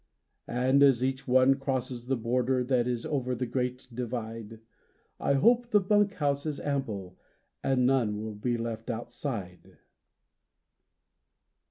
And as each one crosses the border That is over the Great Divide, I hope the bunk house is ample And none will be left outside.